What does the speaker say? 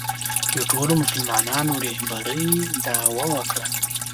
د ټولو مسلمانانو رهبرۍ دعوا وکړه